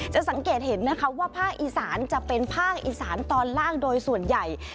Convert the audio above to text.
สังเกตเห็นนะคะว่าภาคอีสานจะเป็นภาคอีสานตอนล่างโดยส่วนใหญ่